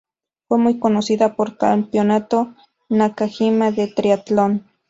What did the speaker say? Fue muy conocida por el Campeonato Nakajima de triatlón.